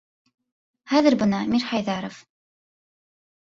Хәҙер бына Мирхәйҙәров...